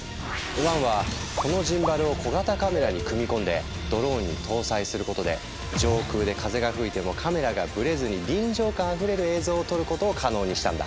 ワンはこのジンバルを小型カメラに組み込んでドローンに搭載することで上空で風が吹いてもカメラがブレずに臨場感あふれる映像を撮ることを可能にしたんだ。